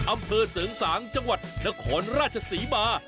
อำเภอเสริงสางจังหวัดนครราชศรีมา